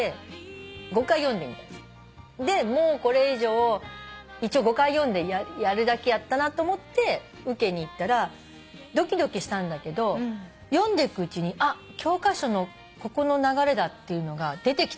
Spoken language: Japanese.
でもうこれ以上一応５回読んでやるだけやったなと思って受けに行ったらドキドキしたんだけど読んでくうちにあっ教科書のここの流れだってのが出てきた。